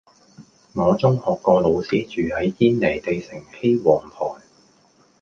我中學個老師住喺堅尼地城羲皇臺